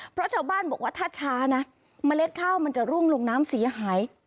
เพราะชาวบ้านบอกว่าถ้าช้านะเมล็ดข้าวมันจะร่วงลงน้ำเสียหาย